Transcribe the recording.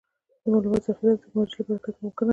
د معلوماتو ذخیره د ټکنالوجۍ له برکته ممکنه ده.